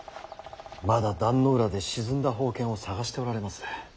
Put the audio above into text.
まだ壇ノ浦で沈んだ宝剣を捜しておられます。